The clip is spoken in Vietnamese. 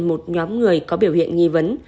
một nhóm người có biểu hiện nghi vấn